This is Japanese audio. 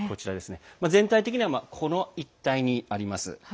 全体的にはこの一帯にあります。